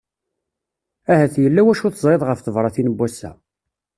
Ahat yella wacu teẓriḍ ɣef tebratin n wassa.